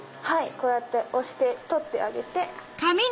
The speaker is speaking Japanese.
こうやって押して取ってあげて。